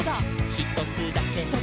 「ひとつだけ」